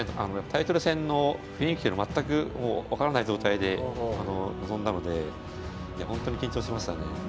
タイトル戦の雰囲気の全く分からない状態で臨んだのでほんとに緊張しましたね。